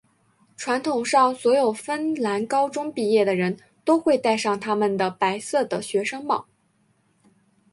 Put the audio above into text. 传统上所有芬兰高中毕业的人都会带上他们的白色的学生帽。